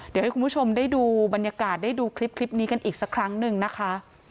เดี๋ยวให้คุณผู้ชมได้ดูบรรยากาศได้ดูคลิปนี้กันอีกสักครั้งหนึ่งนะคะ